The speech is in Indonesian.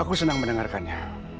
aku senang mendengarkannya